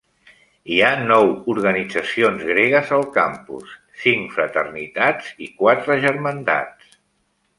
Hi ha nou organitzacions gregues al campus, cinc fraternitats i quatre germandats.